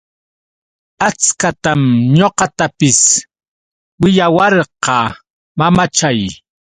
Achkatam ñuqatapis willawarqa mamachay.